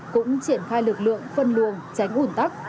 cũng triển khai lực lượng phân luồng tránh ủn tắc